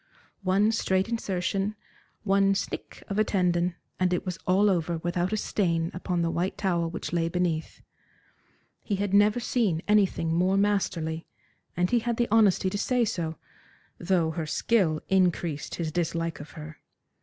One straight insertion, one snick of a tendon, and it was all over without a stain upon the white towel which lay beneath. He had never seen anything more masterly, and he had the honesty to say so, though her skill increased his dislike of her.